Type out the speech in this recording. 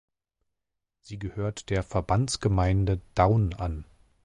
Sie gehört der Verbandsgemeinde Daun an.